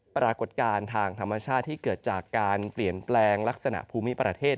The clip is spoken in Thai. ปรากฏการณ์ทางธรรมชาติที่เกิดจากการเปลี่ยนแปลงลักษณะภูมิประเทศ